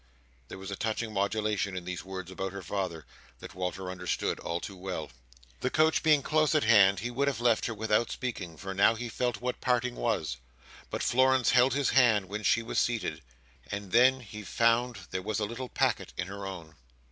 There was a touching modulation in these words about her father, that Walter understood too well. The coach being close at hand, he would have left her without speaking, for now he felt what parting was; but Florence held his hand when she was seated, and then he found there was a little packet in her own.